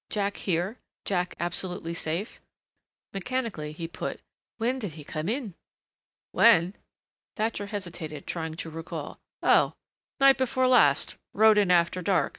Jack here Jack absolutely safe Mechanically he put, "When did he come in?" "When?" Thatcher hesitated, trying to recall. "Oh, night before last rode in after dark."